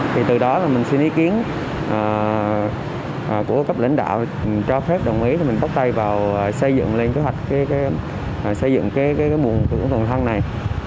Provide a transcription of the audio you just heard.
thì từ đó mình xin ý kiến của các lãnh đạo cho phép đồng ý mình bắt tay vào xây dựng lên kế hoạch xây dựng cái buồng khử khuẩn đầu tiên này